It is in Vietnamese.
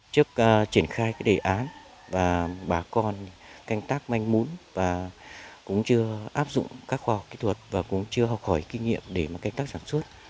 trước triển khai cái đề án bà con canh tác manh mốn cũng chưa áp dụng các khoa học kỹ thuật cũng chưa học hỏi kinh nghiệm để canh tác sản xuất